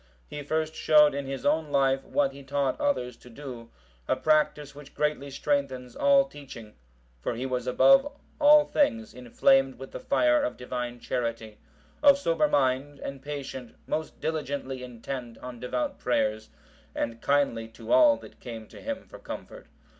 He first showed in his own life what he taught others to do, a practice which greatly strengthens all teaching; for he was above all things inflamed with the fire of Divine charity, of sober mind and patient, most diligently intent on devout prayers, and kindly to all that came to him for comfort.